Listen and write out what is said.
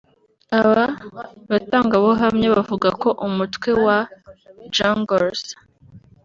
Aba batangabuhamya bavuga ko umutwe wa ‘Junglers’